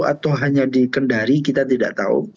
atau hanya di kendari kita tidak tahu